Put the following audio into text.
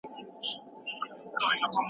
له نویو پرمختګونو ځان خبر کړئ.